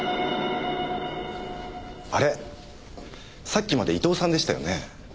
さっきまで伊藤さんでしたよね？